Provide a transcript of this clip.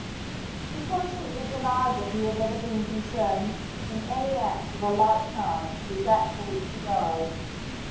He constantly denied that he had ever been concerned in any act of a like kind with that for which he died.